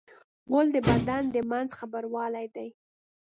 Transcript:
غول د بدن د منځ خبروالی دی.